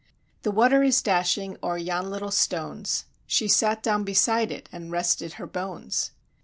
The water is dashing o'er yon little stones; She sat down beside it, and rested her bones.